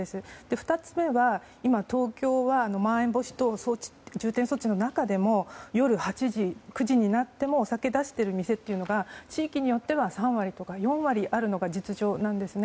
２つ目は今、東京はまん延防止等重点措置の中でも夜８時、９時になってもお酒を出している店というのが地域によっては３割とか４割あるのが実情なんですね。